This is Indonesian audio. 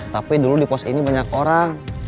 tapi dulu di pos ini banyak orang